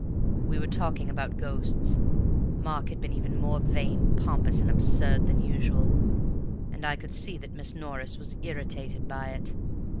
"We were talking about ghosts. Mark had been even more vain, pompous and absurd than usual, and I could see that Miss Norris was irritated by it.